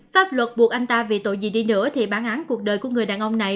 pháp luật buộc anh ta vì tội gì đi nữa thì bản án cuộc đời của người đàn ông này